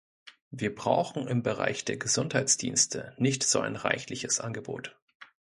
Wir brauchen im Bereich der Gesundheitsdienste nicht so ein reichliches Angebot.